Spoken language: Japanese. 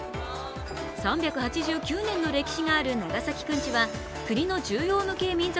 ３８９年の歴史がある長崎くんちは国の重要無形民俗